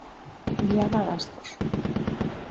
Liana Bastos.